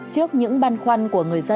trước những băn khoăn của người dân